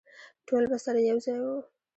ټول به سره یوځای وو.